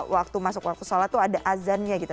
waktu masuk waktu sholat itu ada azannya gitu